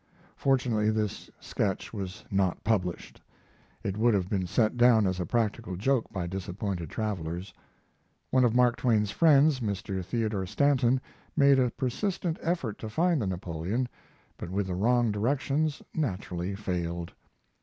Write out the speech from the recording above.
Fortunately this sketch was not published. It would have been set down as a practical joke by disappointed travelers. One of Mark Twain's friends, Mr. Theodore Stanton, made a persistent effort to find the Napoleon, but with the wrong directions naturally failed.